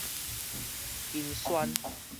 金萱